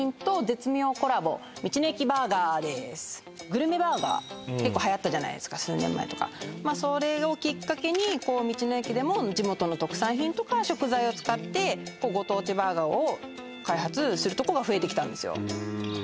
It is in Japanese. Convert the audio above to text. グルメバーガー結構はやったじゃないですか数年前とかまあそれをきっかけに道の駅でも地元の特産品とか食材を使ってご当地バーガーを開発するとこが増えてきたんですよへえ